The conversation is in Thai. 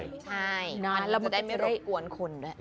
ใช่อันนี้จะได้ไม่รบกวนคนด้วย